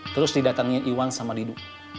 terus didatengin ayuan sama didu